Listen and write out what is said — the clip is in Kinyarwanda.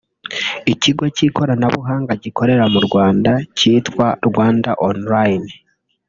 Ikigo cy’ikoranabuhanga gikorera mu Rwanda kitwa Rwanda Online